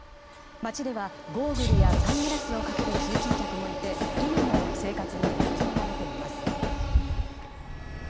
街ではゴーグルやサングラスをかける通勤客もいて今も生活に影響が出ています。